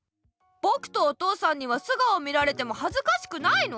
ぼくとお父さんには素顔見られてもはずかしくないの？